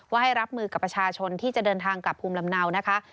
ให้รับมือกับประชาชนที่จะเดินทางกลับภูมิลำเนานะคะ